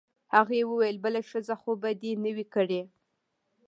هغې وویل: بله ښځه خو به دي نه وي کړې؟